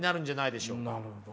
なるほど。